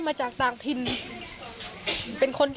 หลังจากผู้ชมไปฟังเสียงแม่น้องชมไป